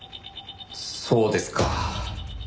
そうですか。